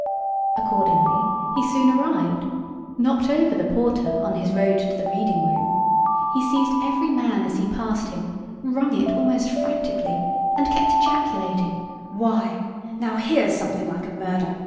Accordingly he soon arrived, knocked over the porter on his road to the reading room; he seized every man's hand as he passed him wrung it almost frantically, and kept ejaculating, "Why, now here's something like a murder!